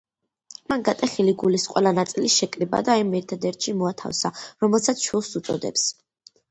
მან გატეხილი გულის ყველა ნაწილი შეკრიბა და იმ ერთადერთში მოათავსა, რომელსაც შვილს უწოდებს.